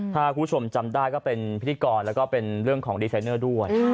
ถ้าคุณผู้ชมจำได้ก็เป็นพิธีกรแล้วก็เป็นเรื่องของดีไซเนอร์ด้วย